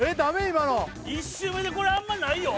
今の１周目でこれあんまないよ